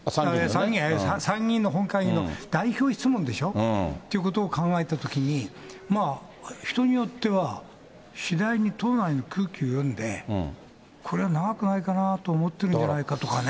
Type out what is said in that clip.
参議院の本会議の代表質問でしょ。ということを考えたときに、まあ人によっては、次第に党内の空気を読んで、これは長くないかなと思ってるんじゃないとかね。